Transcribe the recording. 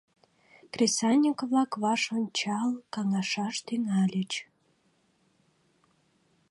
Кресаньык-влак ваш ончал каҥашаш тӱҥальыч.